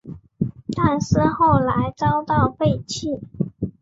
但是后来遭到废弃。